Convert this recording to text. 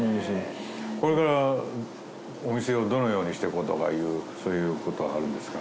これからお店をどのようにしていこうとかいうそういうことはあるんですか？